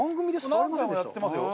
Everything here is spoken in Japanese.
何度もやってますよ